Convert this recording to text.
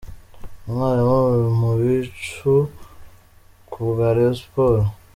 Umwali mu bicu ku bwa Rayon Sports.